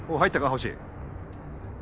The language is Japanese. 星。